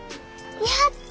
やった！